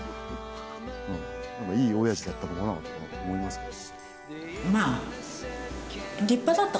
いい親父だったのかなと思いますけど。